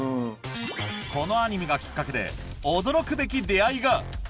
このアニメがきっかけで驚くべき出会いが！